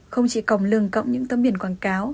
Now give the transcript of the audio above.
không chỉ còng lường cộng những tấm biển quảng cáo